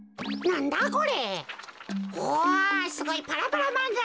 なんだここ？